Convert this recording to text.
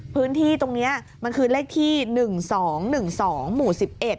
พื้นที่ตรงนี้มันคือเลขที่๑๒๑๒หมู่๑๑